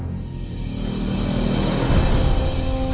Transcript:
ที่สุดท้าย